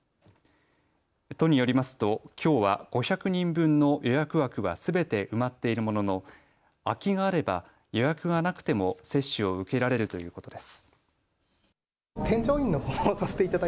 都によりますときょうは５００人分の予約枠はすべて埋まっているものの空きがあれば予約がなくても接種を受けられるということです。